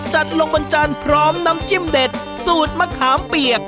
จัดลงบนจานพร้อมน้ำจิ้มเด็ดสูตรมะขามเปียก